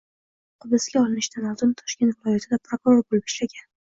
Hibsga olinishidan oldin Toshkent viloyatida prokuror bo'lib ishlagan.